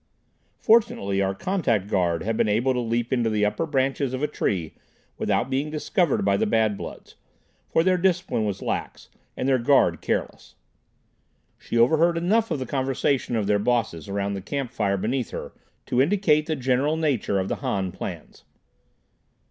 Fortunately our contact guard had been able to leap into the upper branches of a tree without being discovered by the Bad Bloods, for their discipline was lax and their guard careless. She overheard enough of the conversation of their Bosses around the camp fire beneath her to indicate the general nature of the Han plans.